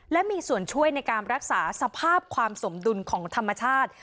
และมีส่วนช่วยในการรักษาสภาพความสมดุลของธรรมชาติ